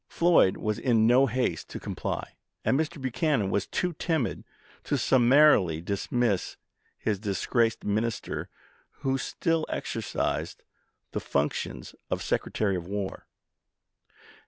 Floyd was in no haste to comply, and Mr. Buchanan was too timid to summarily dismiss his disgraced minister, who still exercised the func tions of Secretary of War.